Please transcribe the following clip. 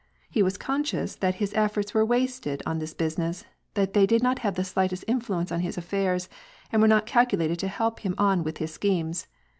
He was conscious that his efforts were wasted on this business, that they did not have the slightest influence on his affairs, and were not calculated to help him on with his schemes.